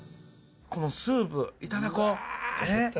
このスープいただこうねぇ。